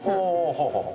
はあはあ！